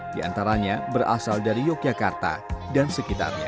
diantaranya berasal dari yogyakarta dan sekitarnya